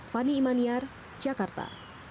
fanny imaniar jakarta